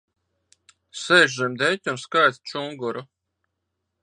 Sēž zem deķa un skaita čunguru.